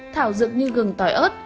thảo dựng như gừng tỏi ớt